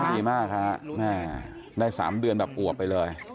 ดีมากค่ะได้สามเดือนเรียบอนป่วยไปเลย